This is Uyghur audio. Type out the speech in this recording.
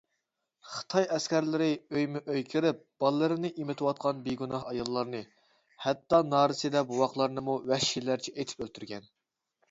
خىتاي ئەسكەرلىرى ئۆيمۇئۆي كىرىپ، باللىرىنى ئېمىتىۋاتقان بىگۇناھ ئاياللارنى، ھەتتا نارەسىدە بوۋاقلارنىمۇ ۋەھشىيلەرچە ئېتىپ ئۆلتۈرگەن.